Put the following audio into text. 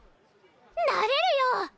なれるよ！